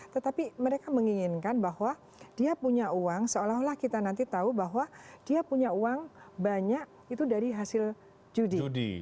tetapi mereka menginginkan bahwa dia punya uang seolah olah kita nanti tahu bahwa dia punya uang banyak itu dari hasil judi